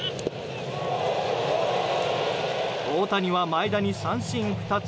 大谷は前田に三振２つ。